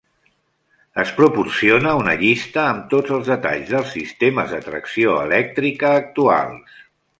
Es proporciona una llista amb tots els detalls dels sistemes de tracció elèctrica actuals.